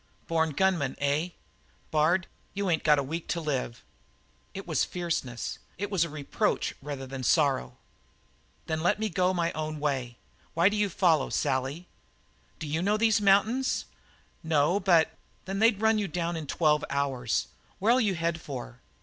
"Born gunman, eh? Bard, you ain't got a week to live." It was fierceness; it was a reproach rather than sorrow. "Then let me go my own way. Why do you follow, Sally?" "D'you know these mountains?" "No, but " "Then they'd run you down in twelve hours. Where'll you head for?"